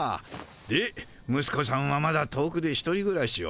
でむすこさんはまだ遠くで１人ぐらしを？